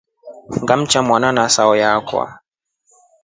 Ngamta mwana na sauyo akwe.